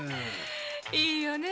いいわね